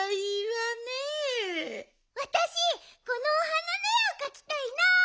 わたしこのお花のえをかきたいな！